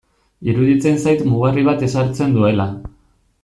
Iruditzen zait mugarri bat ezartzen duela.